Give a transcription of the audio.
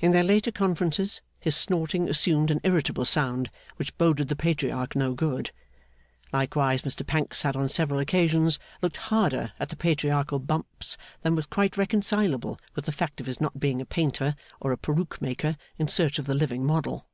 In their later conferences his snorting assumed an irritable sound which boded the Patriarch no good; likewise, Mr Pancks had on several occasions looked harder at the Patriarchal bumps than was quite reconcilable with the fact of his not being a painter, or a peruke maker in search of the living model.